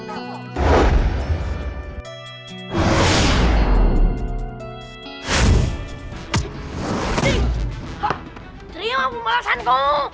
terima pembalasan kum